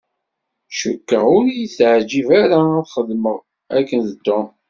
Cukkeɣ ur y-ittiεǧib ara ad xedmeɣ akken d Tom.